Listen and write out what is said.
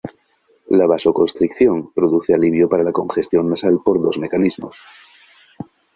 La vasoconstricción produce alivio para la congestión nasal por dos mecanismos.